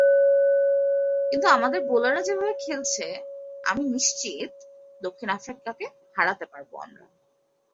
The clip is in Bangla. কিন্তু আমাদের বোলাররা যেভাবে খেলছে, আমি নিশ্চিত, দক্ষিণ আফ্রিকাকে হারাতে পারব আমরা।